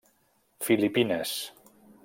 Filipines.